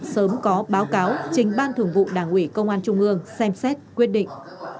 sớm có báo cáo trình ban thường vụ đảng ủy công an trung ương xem xét quyết định